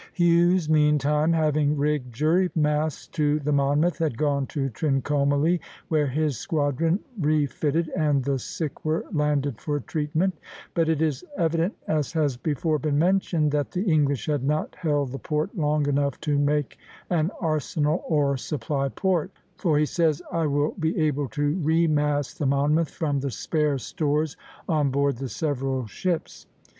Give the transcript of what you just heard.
Hughes meantime, having rigged jury masts to the "Monmouth," had gone to Trincomalee, where his squadron refitted and the sick were landed for treatment; but it is evident, as has before been mentioned, that the English had not held the port long enough to make an arsenal or supply port, for he says, "I will be able to remast the 'Monmouth' from the spare stores on board the several ships."